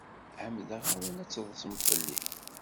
Ɛemmdeɣ-awen ad teḍsem fell-i.